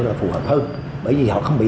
là phù hợp hơn bởi vì họ không bị